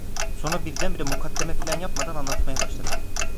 Sonra birdenbire, mukaddeme filan yapmadan, anlatmaya başladı.